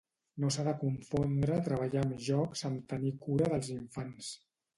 No s'ha de confondre treballar amb jocs amb tenir cura dels infants.